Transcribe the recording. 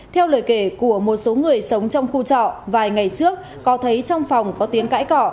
theo lời kể của một số người sống trong khu trọ vài ngày trước có thấy trong phòng có tiếng cãi cỏ